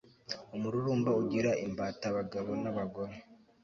umururumba ugira imbata abagabo n'abagore